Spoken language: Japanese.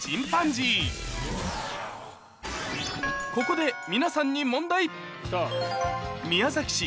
ここで皆さんに宮崎市